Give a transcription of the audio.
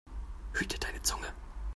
Hüte deine Zunge!